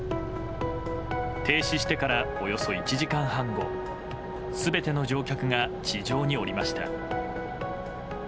停止してからおよそ１時間半後全ての乗客が地上に下りました。